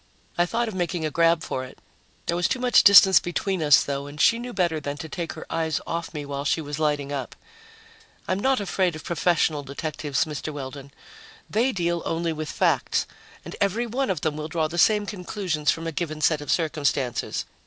I thought of making a grab for it. There was too much distance between us, though, and she knew better than to take her eyes off me while she was lighting up. "I'm not afraid of professional detectives, Mr. Weldon. They deal only with facts and every one of them will draw the same conclusions from a given set of circumstances.